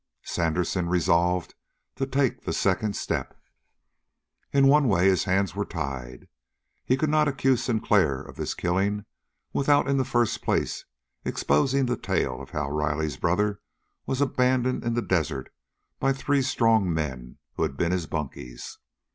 Sandersen resolved to take the second step. In one way his hands were tied. He could not accuse Sinclair of this killing without in the first place exposing the tale of how Riley's brother was abandoned in the desert by three strong men who had been his bunkies.